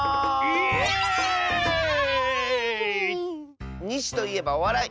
イエーイ！にしといえばおわらい！